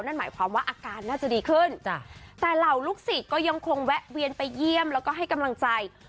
นั่นหมายความว่าอาการน่าจะดีขึ้นแต่เหล่าลูกศิษย์ก็ยังคงแวะเวียนไปเยี่ยมแล้วก็ให้กำลังใจ